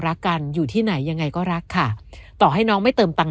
รักกันอยู่ที่ไหนยังไงก็รักค่ะต่อให้น้องไม่เติมตัง